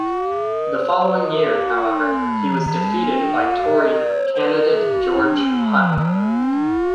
The following year, however, he was defeated by Tory candidate George Hutton.